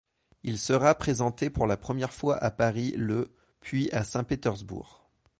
Il sera présenté pour la première fois à Paris le puis à Saint-Pétersbourg.